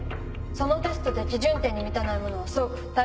そのテストで基準点に満たない者は即退学よ。